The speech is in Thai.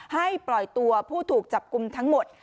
ให้ปล่อยตัวผู้ถูกจับกลุ่มทั้งหมด